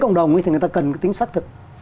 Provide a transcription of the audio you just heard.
cộng đồng thì người ta cần tính xác thực